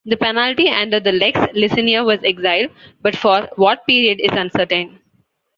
The penalty under the Lex Licinia was exile, but for what period is uncertain.